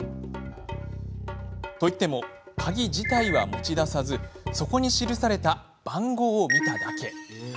といっても鍵自体は持ち出さずそこに記された番号を見ただけ。